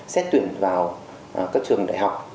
xét tuyển vào các trường đại học